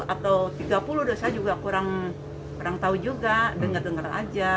antara dua puluh atau tiga puluh saya juga kurang tahu juga dengar dengar aja